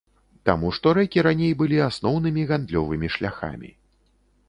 Таму што рэкі раней былі асноўнымі гандлёвымі шляхамі.